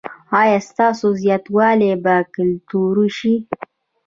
ایا ستاسو زیاتوالی به کنټرول شي؟